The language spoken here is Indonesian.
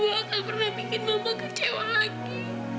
gue akan pernah bikin mama kecewa lagi